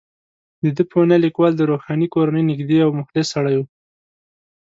د ده په وینا، لیکوال د روښاني کورنۍ نږدې او مخلص سړی وو.